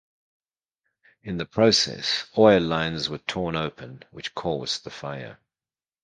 In the process, oil lines were torn open, which caused the fire.